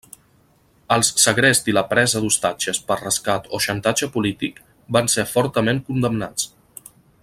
Els segrest i la presa d'ostatges per rescat o xantatge polític van ser fortament condemnats.